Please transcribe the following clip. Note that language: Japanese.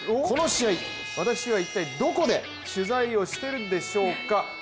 この試合、私は一体どこで取材をしてるでしょうか。